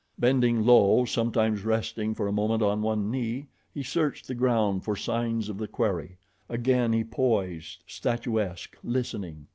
Bending low, sometimes resting for a moment on one knee, he searched the ground for signs of the quarry; again he poised, statuesque, listening.